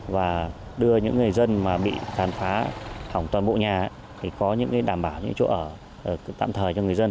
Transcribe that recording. và đưa những người dân bị tàn phá hỏng toàn bộ nhà có những đảm bảo chỗ ở